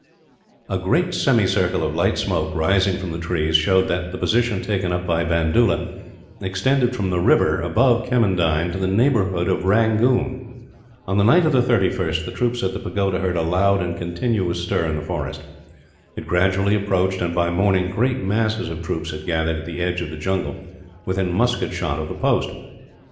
A great semicircle of light smoke, rising from the trees, showed that the position taken up by Bandoola extended from the river above Kemmendine to the neighbourhood of Rangoon. On the night of the 31st, the troops at the pagoda heard a loud and continuous stir in the forest. It gradually approached and, by morning, great masses of troops had gathered at the edge of the jungle, within musket shot of the post.